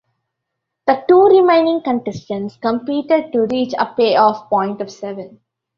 The two remaining contestants competed to reach a payoff point of seven.